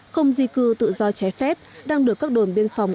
không di cư tự do trái phép đang được các đồn biên phòng